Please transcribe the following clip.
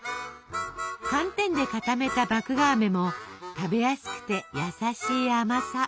寒天で固めた麦芽あめも食べやすくて優しい甘さ。